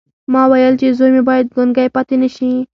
ما ویل چې زوی مې باید ګونګی پاتې نه شي